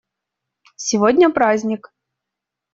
Сегодня праздник.